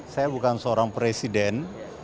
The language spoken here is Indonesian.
saya bukan seorang presiden